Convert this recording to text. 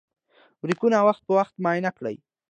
بریکونه وخت په وخت معاینه کړه.